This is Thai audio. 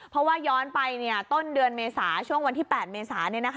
เพราะว่าย้อนไปต้นเดือนเมษาช่วงวันที่๘เมษา